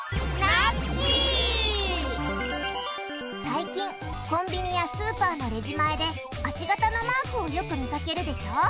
最近コンビニやスーパーのレジ前で足形のマークをよく見かけるでしょ？